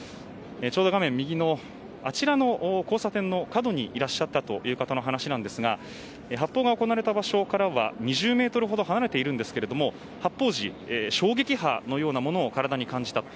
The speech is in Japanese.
ちょうど画面右のあちらの交差点の角にいらっしゃったという方の話なんですが発砲が行われた場所からは２０ｍほど離れていますが発砲時、衝撃波のようなものを体に感じたと。